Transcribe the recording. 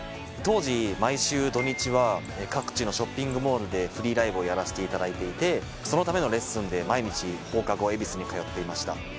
当時毎週土日は各地のショッピングモールでフリーライブをやらせていただいていてそのためのレッスンで毎日放課後恵比寿に通っていました。